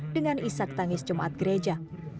dengan isak tangis jemaat gereja